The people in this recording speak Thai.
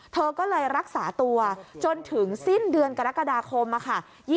เธอก็เลยรักษาตัวจนถึงสิ้นเดือนกรกฎาคมค่ะ